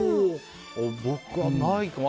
僕はないかな。